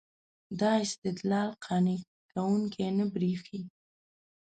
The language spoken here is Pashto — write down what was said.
دا استدلال قانع کوونکی نه برېښي.